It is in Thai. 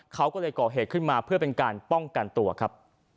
เขาก็เลยก่อเหตุขึ้นมาเพื่อเป็นการป้องกันตัวครับ